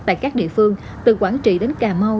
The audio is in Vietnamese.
tại các địa phương từ quảng trị đến cà mau